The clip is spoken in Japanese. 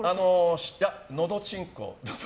のどちんこ。